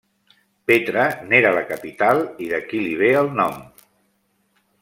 Petra n'era la capital, i d'aquí li ve el nom.